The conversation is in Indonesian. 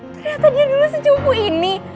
ternyata dia dulu secuku ini